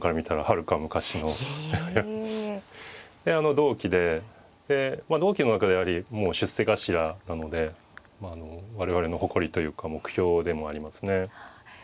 同期でで同期の中ではやはりもう出世頭なので我々の誇りというか目標でもありますね。